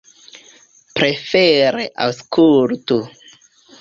Prefere aŭskultu!